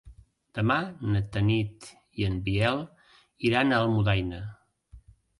Demà na Tanit i en Biel iran a Almudaina.